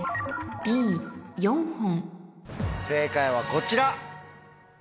正解はこちら。